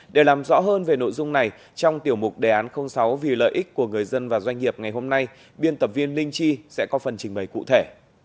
để làm rõ hơn về nội dung này trong tiểu mục đề án sáu vì lợi ích của người dân và doanh nghiệp ngày hôm nay biên tập viên linh chi sẽ có phần trình bày cụ thể